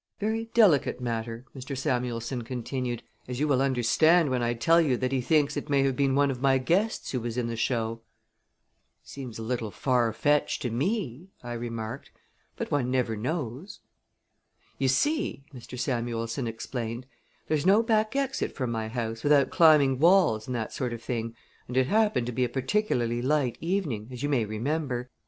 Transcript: Very delicate matter," Mr. Samuelson continued, "as you will understand when I tell you that he thinks it may have been one of my guests who was in the show." "Seems a little far fetched to me," I remarked; "but one never knows." "You see," Mr. Samuelson explained, "there's no back exit from my house without climbing walls and that sort of thing, and it happened to be a particularly light evening, as you may remember.